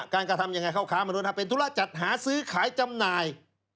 การกระทำยังไงเข้าค้ามนุษย์เป็นธุระจัดหาซื้อขายจำหน่าย